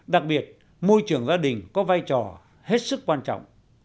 đặc biệt môi trường gia đình có vai trò hết sức quan trọng